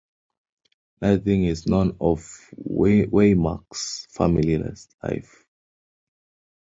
Nothing is known of Waymark's family life.